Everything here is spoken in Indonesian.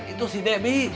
itu si debbie